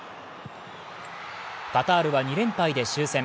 カタールは２連敗で終戦。